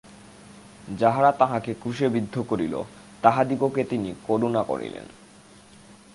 যাহারা তাঁহাকে ক্রুশে বিদ্ধ করিল, তাহাদিগকে তিনি করুণা করিলেন।